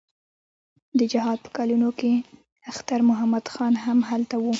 د جهاد په کلونو کې اختر محمد خان هم هلته و.